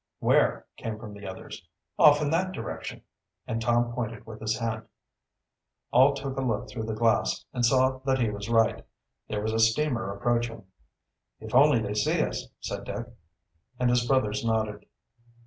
"Where?" came from the others. "Off in that direction," and Tom pointed with his hand. All took a look through the glass, and saw that he was right. There was a steamer approaching. "If only they see us." said Dick, and his brothers nodded.